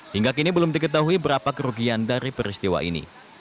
hingga kini belum diketahui berapa kerugian dari peristiwa ini